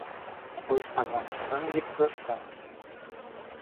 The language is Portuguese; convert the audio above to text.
Pois pagamos sangue por sangue